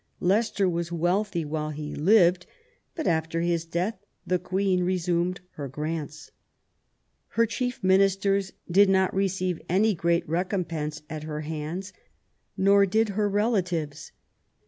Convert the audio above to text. Leicester was wealthy while he lived, but after his death the Queen resumed her grants. Her chief ministers did not receive any great recompense at her hands, nor did her relatives.